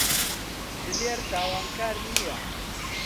دلێر تاوانکار نییە.